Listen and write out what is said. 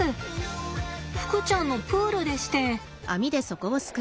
ふくちゃんのプールでして。